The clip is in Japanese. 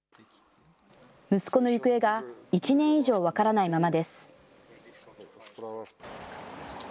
息子の行方が１年以上分からないままです。